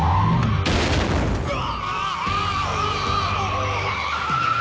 うわ！